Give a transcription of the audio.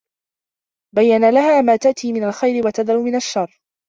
بَيَّنَ لَهَا مَا تَأْتِي مِنْ الْخَيْرِ وَتَذَرُ مِنْ الشَّرِّ